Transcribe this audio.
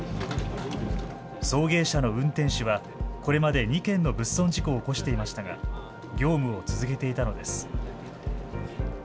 送迎車の運転手はこれまで２件の物損事故を起こしていましたが業務を続けていたのです。